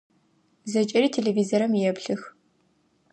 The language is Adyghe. Зэкӏэри телевизорым еплъых.